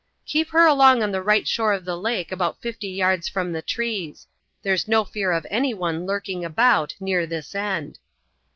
"Keep her along on the right shore of the lake, about fifty yards from the trees. There's no fear of anyone lurking about near this end."